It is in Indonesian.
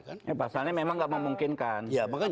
pasalnya memang tidak memungkinkan